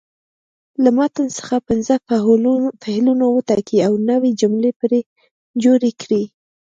له متن څخه پنځه فعلونه وټاکئ او نوې جملې پرې جوړې کړئ.